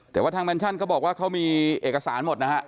แต่ว่าทางแมนชั่นเขาบอกว่าเขามีเอกสารหมดนะฮะ